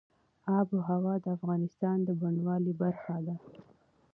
آب وهوا د افغانستان د بڼوالۍ برخه ده.